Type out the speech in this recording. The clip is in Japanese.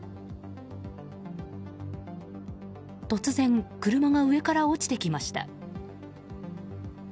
突然、車が上から落ちてきました。